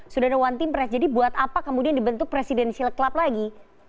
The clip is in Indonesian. sudah ada one team press jadi buat apa kemudian dibentuk presidential club lagi